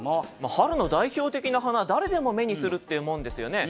春の代表的な花誰でも目にするっていうもんですよね。